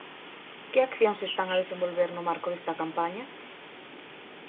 Que accións están a desenvolver no marco desta campaña?